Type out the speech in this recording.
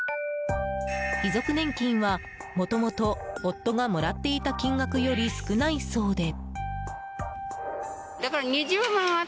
遺族年金は、もともと夫がもらっていた金額より少ないそうで。